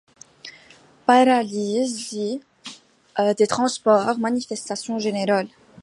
Paralysie des transports, manifestation générale.